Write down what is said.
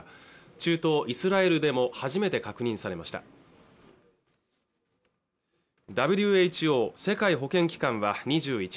中東イスラエルでも初めて確認されましたＷＨＯ＝世界保健機関は２１日